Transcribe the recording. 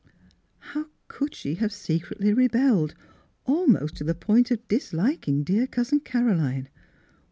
How could she have secretly rebelled — almost to the point of disliking dear Cousin Caroline?